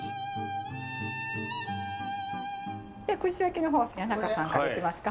では串焼きの方谷中さんからいきますか。